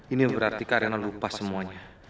ini berarti karina lupa semuanya